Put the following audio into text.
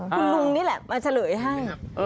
คุณลุงนี่แหละมาเฉลยให้